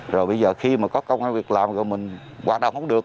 rồi bây giờ khi mà có công an việc làm rồi mình hoạt động không được